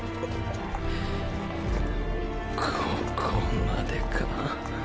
ここまでか。